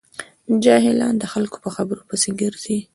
جاهلان د خلکو په خبرو پسې ګرځي.